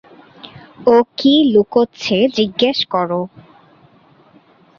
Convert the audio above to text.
ও কী লুকোচ্ছে জিজ্ঞেস কর!